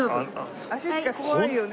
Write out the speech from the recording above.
足しか怖いよね。